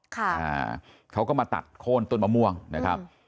ค่ะอ่าเขาก็มาตัดโค้นต้นมะม่วงนะครับ